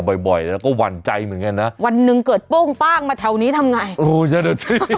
บ่อยบ่อยแล้วก็หวั่นใจเหมือนกันนะวันหนึ่งเกิดโป้งป้างมาแถวนี้ทำไงโอ้เจ้าหน้าที่